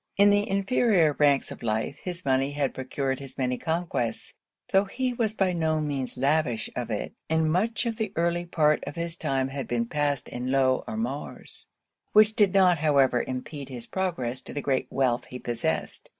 In the inferior ranks of life, his money had procured him many conquests, tho' he was by no means lavish of it; and much of the early part of his time had been passed in low amours; which did not, however, impede his progress to the great wealth he possessed.